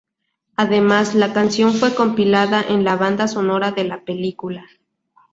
Además, la canción fue compilada en la banda sonora de la película.